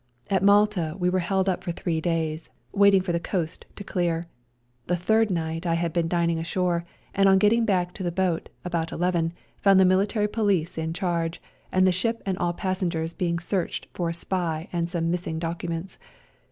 At Malta we were held up for three days, waiting for the coast to clear. The third night I had been dining ashore, and on getting back to the boat, about eleven, found the military police in charge, and the ship and all the passengers being searched for a spy and some missing documents.